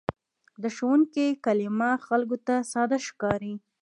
د ښوونکي کلمه خلکو ته ساده ښکاري.